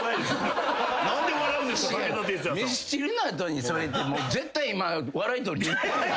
ミスチルの後にそれって絶対今笑い取りにいった。